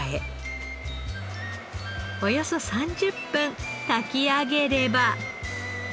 およそ３０分炊き上げれば。